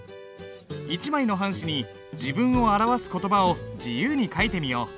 １枚の半紙に自分を表す言葉を自由に書いてみよう。